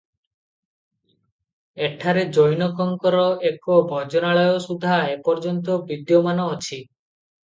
ଏଠାରେ ଜୈନଙ୍କର ଏକ ଭଜନାଳୟ ସୁଦ୍ଧା ଏପର୍ଯ୍ୟନ୍ତ ବିଦ୍ୟମାନ ଅଛି ।